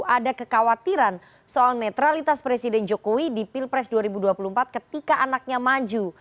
ada kekhawatiran soal netralitas presiden jokowi di pilpres dua ribu dua puluh empat ketika anaknya maju